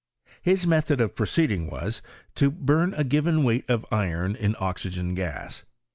His method of proceeding was, to bum S given weight of iron in oxygen gas.